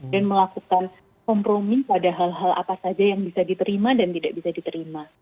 dan melakukan kompromi pada hal hal apa saja yang bisa diterima dan tidak bisa diterima